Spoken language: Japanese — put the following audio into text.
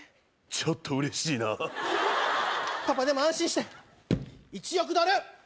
ちょっと嬉しいなパパでも安心して１億ドル！